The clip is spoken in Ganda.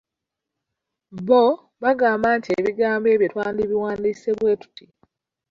"Bo, bagamba nti ebigambo ebyo twandibiwandiise bwe tuti."